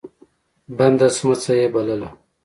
بنده سمڅه يې بلله.